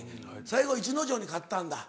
最後逸ノ城に勝ったんだ？